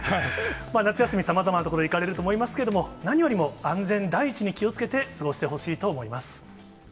夏休み、さまざまな所に行かれると思いますけれども、何よりも安全第一に気をつけて過ごしてほしいと思います。